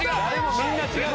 みんな違う。